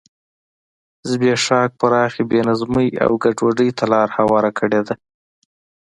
زبېښاک پراخې بې نظمۍ او ګډوډۍ ته لار هواره کړې ده.